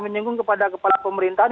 menyinggung kepada kepala pemerintahan